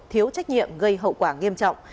thiếu trách nhiệm gây hậu quả nghiêm trọng